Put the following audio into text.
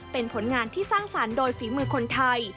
เป็นผลงานที่สร้างสรรค์โดยฝีมือคนไทย